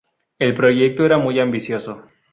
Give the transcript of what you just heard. El proyecto era muy ambicioso.